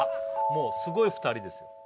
もうすごい２人ですよ